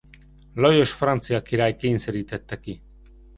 Lajos francia király kényszerítette ki.